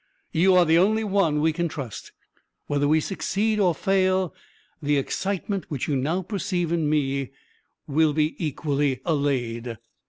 You are the only one we can trust. Whether we succeed or fail, the excitement which you now perceive in me will be equally allayed."